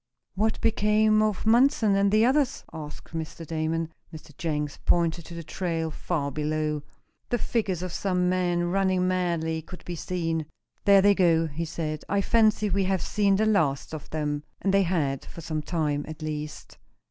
"What became of Munson and the others?" asked Mr. Damon. Mr. Jenks pointed to the trail, far below. The figures of some men, running madly, could be seen. "There they go," he said; "I fancy we have seen the last of them." And they had, for some time at least.